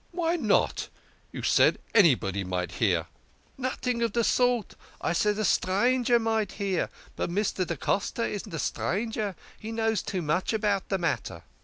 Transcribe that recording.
"Why not? You said anybody might hear." " Noting of the sort. I said a stranger might hear. But Mr. da Costa isn't a stranger. He knows too much about de matter."